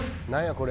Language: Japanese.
これ。